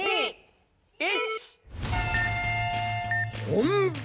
本番！